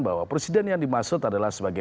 bahwa presiden yang dimaksud adalah sebagai